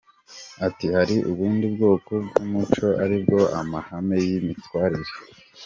Ati “Hari ubundi bwoko bw’umuco aribwo amahame y’imyitwarire.